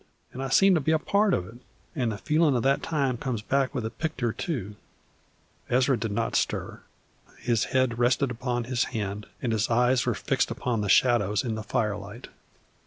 An' I seem to be a part of it, an' the feelin' of that time comes back with the pictur', too." Ezra did not stir. His head rested upon his hand, and his eyes were fixed upon the shadows in the firelight.